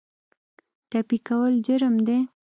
ټپي کول جرم دی.